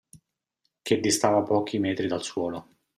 Che distava pochi metri dal suolo.